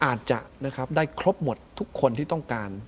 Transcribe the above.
อาจจะได้ครบหมดทุกคนที่ต้องการ